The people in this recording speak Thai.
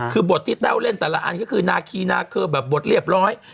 คือบทที่แต้วเล่นแต่ละอันก็คือนาคีนาเคอร์แบบบทเรียบร้อย